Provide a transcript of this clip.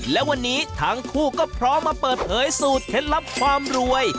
และวันนี้ทั้งคู่ก็พร้อมมาเปิดเผยสูตรเคล็ดลับความรวย